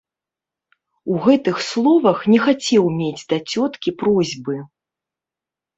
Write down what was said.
У гэтых словах не хацеў мець да цёткі просьбы.